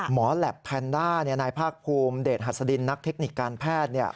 แหลปแพนด้านายภาคภูมิเดชหัสดินนักเทคนิคการแพทย์